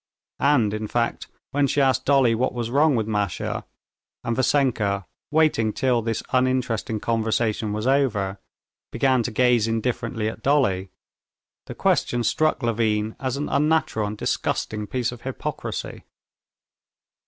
And, in fact, when she asked Dolly what was wrong with Masha, and Vassenka, waiting till this uninteresting conversation was over, began to gaze indifferently at Dolly, the question struck Levin as an unnatural and disgusting piece of hypocrisy.